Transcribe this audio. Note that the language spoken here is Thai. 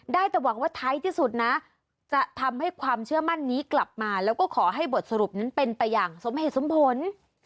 ได้แต่หวังว่าท้ายที่สุดนะจะทำให้ความเชื่อมั่นนี้กลับมาแล้วก็ขอให้บทสรุปนั้นเป็นไปอย่างสมเหตุสมผล